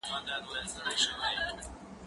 زه پرون کتابونه لولم وم؟